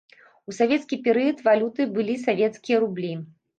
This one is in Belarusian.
У савецкі перыяд валютай былі савецкія рублі.